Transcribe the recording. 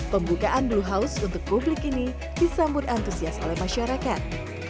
pembukaan blue house untuk publik ini disambut antusias oleh masyarakat